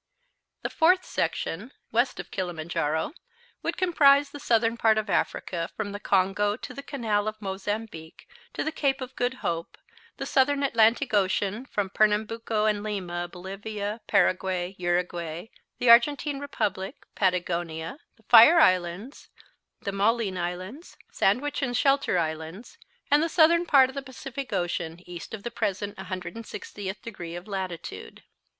The fourth section, west of Kilimanjaro, would comprise the southern part of Africa, from the Congo to the canal of Mozambique to the Cape of Good Hope, the southern Atlantic Ocean from Pernambuco and Lima, Bolivia, Paraguay, Uraguay, the Argentine Republic, Patagonia, the Fire Islands, the Malouine Islands, Sandwich and Shetland Islands, and the southern part of the Pacific Ocean east of the present 160th degree of latitude.